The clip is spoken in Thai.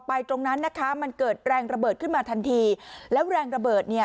ตรงนั้นนะคะมันเกิดแรงระเบิดขึ้นมาทันทีแล้วแรงระเบิดเนี่ย